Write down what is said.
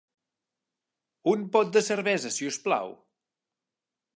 Un pot de cervesa, si us plau.